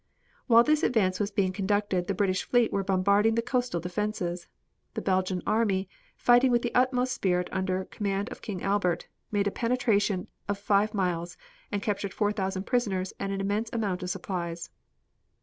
While this advance was being conducted the British fleet were bombarding the coastal defenses. The Belgian army, fighting with the utmost spirit under command of King Albert, made a penetration of five miles and captured four thousand prisoners and an immense amount of supplies.